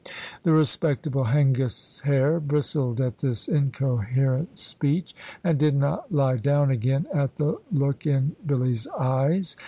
The respectable Hengist's hair bristled at this incoherent speech, and did not lie down again at the look in Billy's eyes.